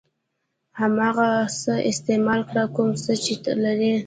هماغه څه استعمال کړه کوم څه چې لرئ.